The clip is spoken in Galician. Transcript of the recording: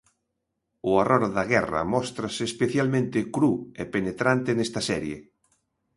O horror da guerra móstrase especialmente cru e penetrante nesta serie.